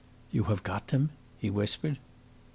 "You have got them?" he whispered.